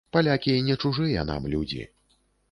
Палякі не чужыя нам людзі.